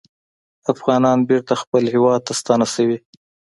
افغانان بېرته خپل هیواد ته ستانه شوي